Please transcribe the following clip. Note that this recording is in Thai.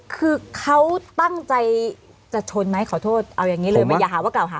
คือเขาตั้งใจจะชนไหมขอโทษเอาอย่างนี้เลยอย่าหาว่ากล่าวหา